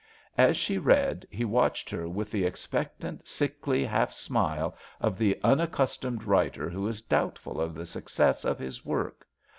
As she read he watched her with the expectant sickly half smile of the unaccustomed writer who is doubtful of the success of his work.